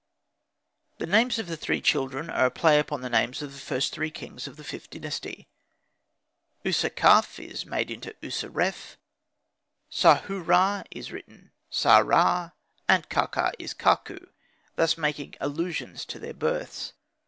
The names of the three children are a play upon the names of the first three kings of the Vth Dynasty. User kaf is made into User ref; Sahu ra is written Sah ra; and Kaka is Kaku; thus making allusions to their births.